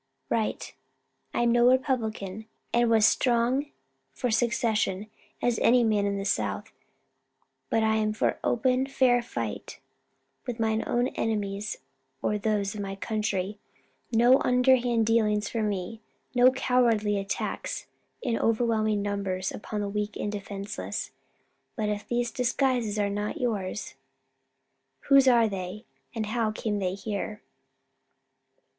"Right. I am no Republican, and was as strong for secession as any man in the South, but I am for open, fair fight with my own enemies or those of my country; no underhand dealings for me; no cowardly attacks in overwhelming numbers upon the weak and defenceless. But if these disguises are not yours, whose are they? and how came they here?"